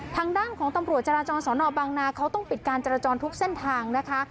ทางด้านของตำรวจจราจรสอนอบางนาเขาต้องปิดการจราจรทุกเส้นทางนะคะ